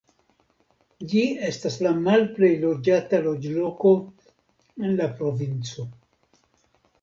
Ĝi estas la malplej loĝata loĝloko en la provinco.